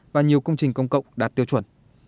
và nhiều công trình công cộng đạt tiêu chuẩn